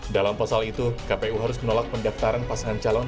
dalam pasal itu kpu harus menolak pendaftaran pasangan calon